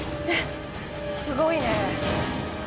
すごいね。